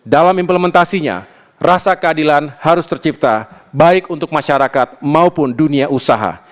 dalam implementasinya rasa keadilan harus tercipta baik untuk masyarakat maupun dunia usaha